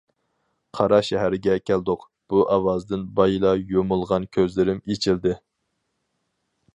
«قارا شەھەرگە كەلدۇق» بۇ ئاۋازدىن بايىلا يۇمۇلغان كۆزلىرىم ئېچىلدى.